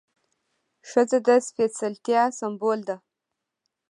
ښځه د سپېڅلتیا سمبول ده.